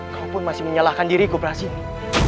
kau pun masih menyalahkan diriku prasini